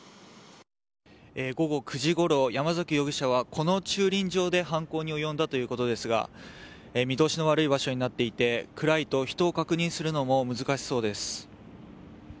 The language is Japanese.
午後９時ごろ、山崎容疑者はこの駐輪場で犯行に及んだということですが見通しの悪い場所になっていて暗いと、人を確認するのも難しそうです。